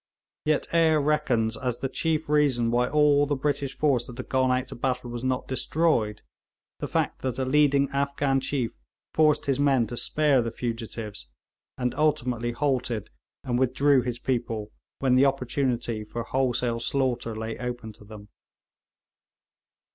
Yet Eyre reckons as the chief reason why all the British force that had gone out to battle was not destroyed, the fact that a leading Afghan chief forced his men to spare the fugitives, and ultimately halted and withdrew his people when the opportunity for wholesale slaughter lay open to them.